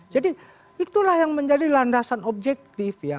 jadi itulah yang menjadi landasan objektif ya